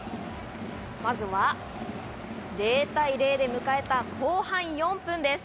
まずは０対０で迎えた後半４分です。